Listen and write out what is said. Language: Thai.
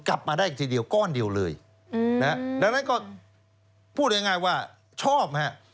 กลับมาได้อีกทีเดียวก้อนเดียวเลยนะฮะดังนั้นก็พูดง่ายว่าชอบฮะ